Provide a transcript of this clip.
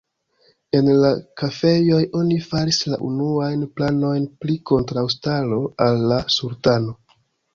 En la kafejoj, oni faris la unuajn planojn pri kontraŭstaro al la sultano.